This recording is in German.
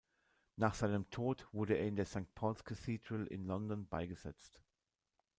Nach seinem Tod wurde er in der St Paul’s Cathedral in London beigesetzt.